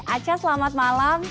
aca selamat malam